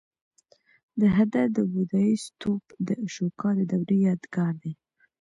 د هده د بودایي ستوپ د اشوکا د دورې یادګار دی